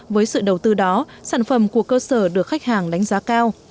với sự đầu tư đó sản phẩm của cơ sở được khách hàng đánh giá cao